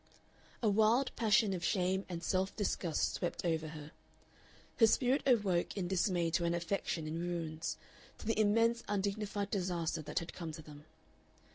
A wild passion of shame and self disgust swept over her. Her spirit awoke in dismay to an affection in ruins, to the immense undignified disaster that had come to them.